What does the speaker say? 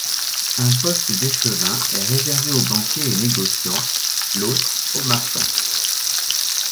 Un poste d'échevin est réservé aux banquiers et négociants, l'autre aux marchands.